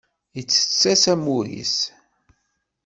Yettett-as amur-is.